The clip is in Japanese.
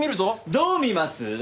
どう見ます？